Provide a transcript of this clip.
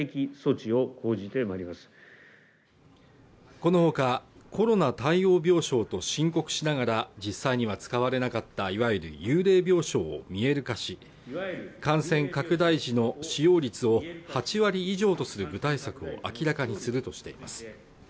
このほかコロナ対応病床と申告しながら実際には使われなかったいわゆる幽霊病床を見える化しいわゆる感染拡大時の使用率を８割以上とする具体策を明らかにするとしています